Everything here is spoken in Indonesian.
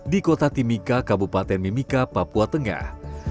di kota timika kabupaten mimika papua tengah